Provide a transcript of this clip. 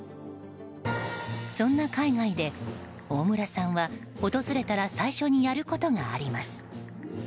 そんな海外で、大村さんは訪れたら最初にやることがあります。